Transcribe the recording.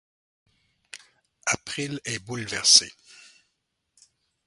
April est bouleversée.